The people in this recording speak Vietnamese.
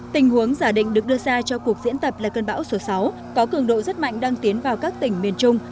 tình huống giả định được đưa ra cho cuộc diễn tập là cơn bão số sáu có cường độ rất mạnh đang tiến vào các tỉnh miền trung